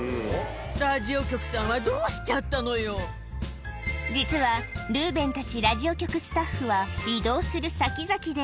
ラジオ局さんはどうしちゃっ実は、ルーベンたちラジオ局スタッフは、移動する先々で。